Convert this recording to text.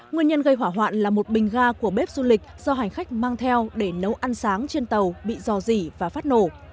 nguyên nhân gây hỏa hoạn là một bình ga của bếp du lịch do hành khách mang theo để nấu ăn sáng trên tàu bị dò dỉ và phát nổ